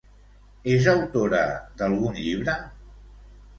És autora d'algun llibre?